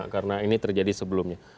karena ini terjadi sebelumnya